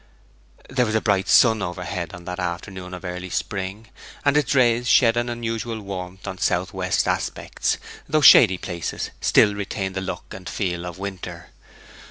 There was a bright sun overhead on that afternoon of early spring, and its rays shed an unusual warmth on south west aspects, though shady places still retained the look and feel of winter.